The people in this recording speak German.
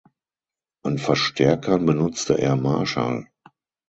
An Verstärkern benutzte er Marshall.